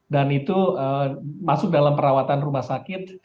dan itu masuk dalam perawatan rumah sakit